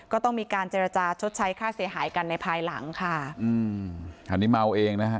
ก็ต้องมีการเจรจาชดใช้ค่าเสียหายกันในภายหลังค่ะอืมคราวนี้เมาเองนะฮะ